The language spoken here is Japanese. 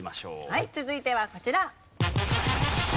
続いてはこちら。